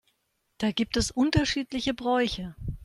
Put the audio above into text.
Da gibt es unterschiedliche Bräuche.